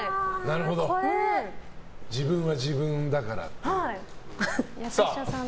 自分は自分だからっていう。